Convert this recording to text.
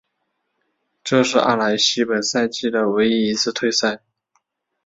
这是阿莱西本赛季的唯一一次退赛。